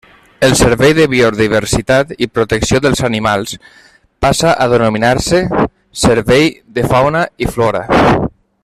El Servei de Biodiversitat i Protecció dels Animals passa a denominar-se Servei de Fauna i Flora.